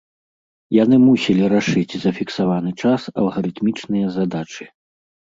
Яны мусілі рашыць за фіксаваны час алгарытмічныя задачы.